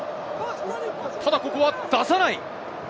ただここは出さない。